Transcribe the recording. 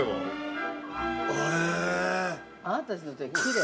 ◆あなたたちの手、きれい？